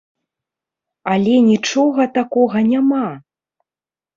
Але нічога такога няма!